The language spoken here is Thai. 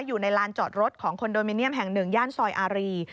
ลานจอดรถของคอนโดมิเนียมแห่งหนึ่งย่านซอยอารี